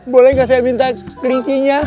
boleh gak saya minta klincinya